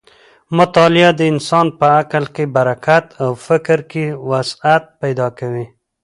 مطالعه د انسان په عقل کې برکت او په فکر کې وسعت پیدا کوي.